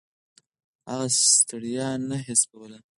هغه ستړیا نه حس کوله.